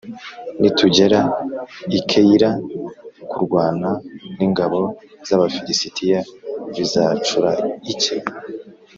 nitugera i Keyila kurwana n’ingabo z’Abafilisitiya, bizacura iki?